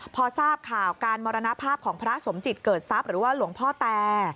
พอทราบข่าวการมรณภาพของพระสมจิตเกิดทรัพย์หรือว่าหลวงพ่อแต